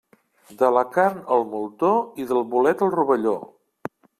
De la carn, el moltó, i del bolet el rovelló.